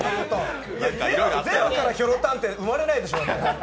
ゼロからひょろたんって生まれないでしょう？